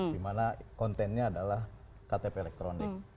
dimana kontennya adalah ktp elektronik